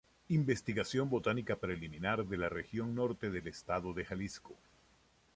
Investigación Botánica preliminar de la región norte del Estado de Jalisco.